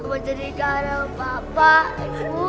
apa jadi karena bapak